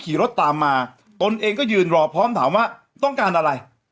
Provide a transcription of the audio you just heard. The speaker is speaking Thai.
ขี่รถตามมาตนเองก็ยืนรอพร้อมถามว่าต้องการอะไร